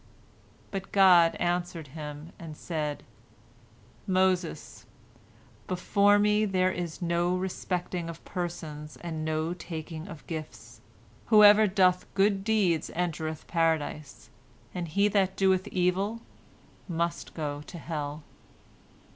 But God answered him, and said, "Moses, before Me there is no respecting of persons and no taking of gifts. Whoever doeth good deeds entereth Paradise, and he that doeth evil must go to hell."